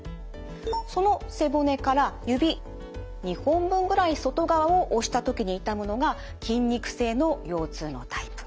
その背骨から指２本分ぐらい外側を押した時に痛むのが筋肉性の腰痛のタイプ。